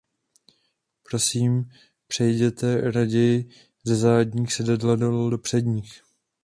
Prosím přejděte raději ze zadních sedadel do předních.